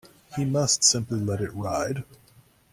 He must simply let it ride.